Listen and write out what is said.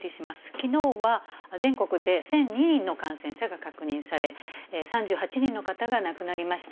きのうは全国で１００２人の感染者が確認され、３８人の方が亡くなりました。